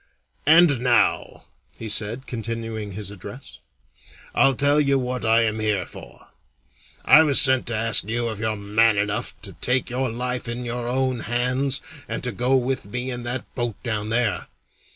"And now," he said, continuing his address, "I'll tell you what I am here for. I was sent to ask you if you're man enough to take your life in your own hands and to go with me in that boat down there?